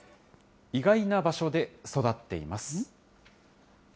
意外な場所で育っています。